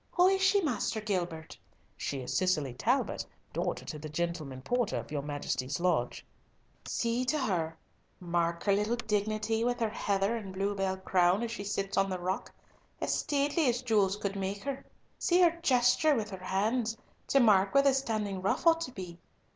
Who is she, Master Gilbert?" "She is Cicely Talbot, daughter to the gentleman porter of your Majesty's lodge." "See to her—mark her little dignity with her heather and bluebell crown as she sits on the rock, as stately as jewels could make her! See her gesture with her hands, to mark where the standing ruff ought to be.